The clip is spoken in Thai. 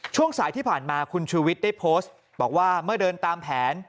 ช่วงสายที่ผ่านมาคุณชูวิทย์ได้โพสต์บอกว่าเมื่อเดินตามแผน